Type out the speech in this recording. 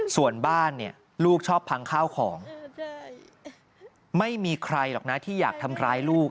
ส่วนบ้านเนี่ยลูกชอบพังข้าวของไม่มีใครหรอกนะที่อยากทำร้ายลูก